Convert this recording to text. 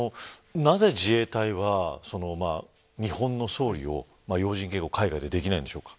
なぜ、自衛隊は日本の総理を要人警護を海外でできないんでしょうか。